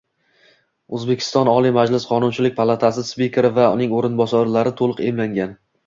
O‘zbekiston Oliy Majlis Qonunchilik palatasi spikeri va uning o‘rinbosarlari to‘liq emlangan